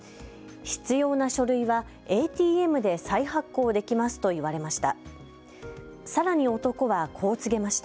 必要な書類はＡＴＭで再発行できますと言われました。